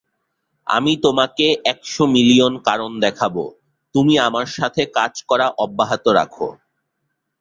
আমি তোমাকে একশো মিলিয়ন কারণ দেখাবো, তুমি আমার সাথে কাজ করা অব্যাহত রাখো।